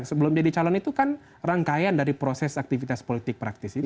sebelum jadi calon itu kan rangkaian dari proses aktivitas politik praktis itu